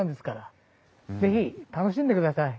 是非楽しんでください。